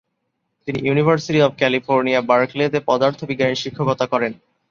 তিনি university of California, বার্কলেতে পদার্থবিজ্ঞানে শিক্ষকতা করেন।